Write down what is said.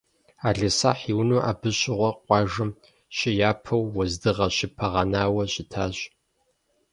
Ӏэлисахь и унэм абы щыгъуэ, къуажэм щыяпэу, уэздыгъэ щыпагъэнауэ щытащ.